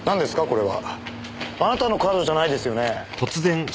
これは。あなたのカードじゃないですよね？